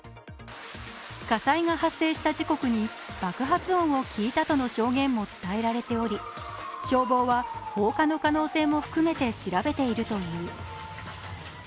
火災が発生した時刻に爆発音を聞いたとの証言も伝えられており、消防は放火の可能性も含めて調べているという。